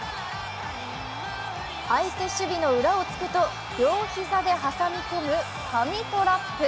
相手守備の裏を突くと両膝で挟み込む神トラップ。